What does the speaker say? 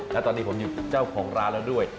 และตอนนี้ผมอยู่เจ้าของร้านแล้วด้วย